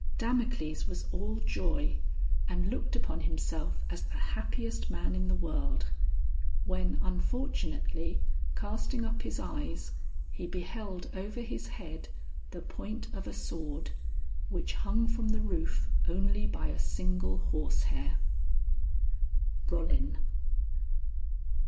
Damocles was all joy, and looked upon himself as the happiest man in the world; when unfortunately casting up his eyes, he beheld over his head the point of a sword, which hung from the roof only by a single horse hair. ROLLIN.